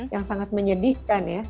yang sangat menyedihkan ya